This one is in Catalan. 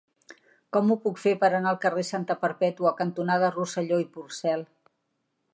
Com ho puc fer per anar al carrer Santa Perpètua cantonada Rosselló i Porcel?